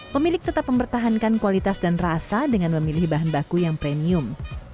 pemilik tetap mempertahankan kualitas dan rasa dengan memilih bahan baku yang premium